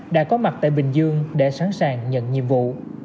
đã có mặt tại bình dương để sẵn sàng nhận nhiệm vụ